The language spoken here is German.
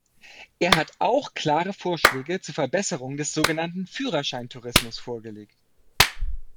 Er hat auch klare Vorschläge zur Verbesserung des so genannten Führerscheintourismus vorgelegt.